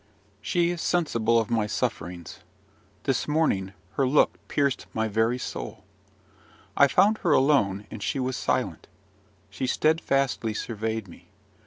She is sensible of my sufferings. This morning her look pierced my very soul. I found her alone, and she was silent: she steadfastly surveyed me.